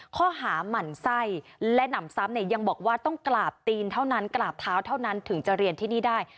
หมั่นไส้และหนำซ้ำเนี่ยยังบอกว่าต้องกราบตีนเท่านั้นกราบเท้าเท่านั้นถึงจะเรียนที่นี่ได้